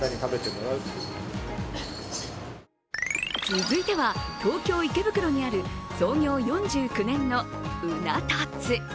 続いては、東京・池袋にある創業４９年のうな達。